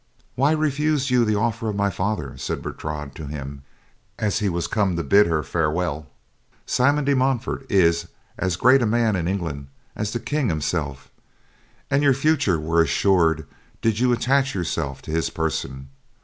"Why refused you the offer of my father?" said Bertrade to him as he was come to bid her farewell. "Simon de Montfort is as great a man in England as the King himself, and your future were assured did you attach yourself to his person.